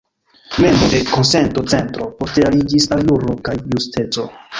Membro de Konsento-Centro, poste aliĝis al Juro kaj Justeco.